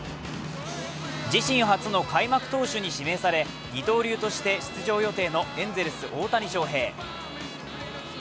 自身初の開幕投手に指名され、二刀流として出場予定のエンゼルス・大谷翔平。